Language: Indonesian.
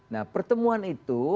nah pertemuan itu